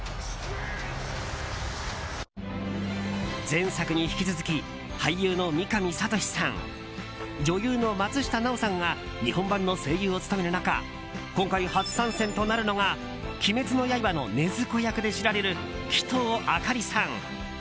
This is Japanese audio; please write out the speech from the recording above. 前作に引き続き俳優の三上哲さん女優の松下奈緒さんが日本版の声優を務める中今回、初参戦となるのが「鬼滅の刃」の禰豆子役で知られる鬼頭明里さん。